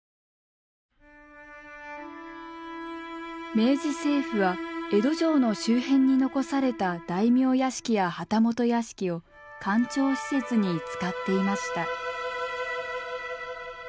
明治政府は江戸城の周辺に残された大名屋敷や旗本屋敷を官庁施設に使っていました。